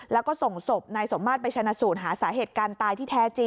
แล้วก็ส่งศพนายสมมาตรไปชนะสูตรหาสาเหตุการณ์ตายที่แท้จริง